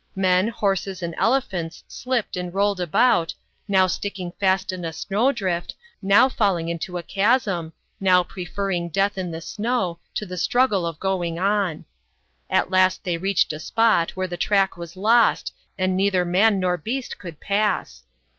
Men, horses, and elephants slipped and rolled about, now sticking fast in a snowdrift, now falling into a chasm, now preferring death in the snow, to the struggle of going on. At last they reached a spot, where the track was lost and neither man nor beast could pass.